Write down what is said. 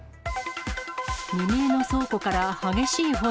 未明の倉庫から激しい炎。